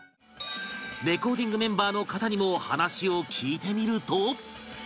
レコーディングメンバーの方にも話を聞いてみると